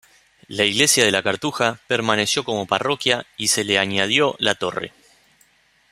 La Iglesia de la cartuja permaneció como parroquia y se añadió la torre.